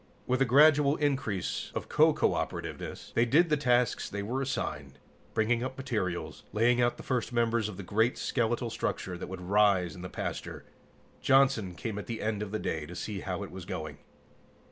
With a gradual increase of co operativeness, they did the tasks they were assigned, bringing up materials, laying out the first members of the great, skeletal structure that would rise in the pasture. Johnson came at the end of the day to see how it was going.